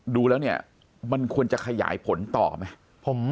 ดูแล้วเนี่ยมันควรจะขยายผลต่อไหม